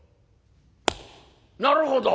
「なるほど！